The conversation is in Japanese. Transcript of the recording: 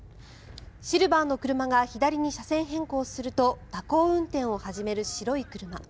シルバーの車が左に車線変更すると蛇行運転を始める白い車。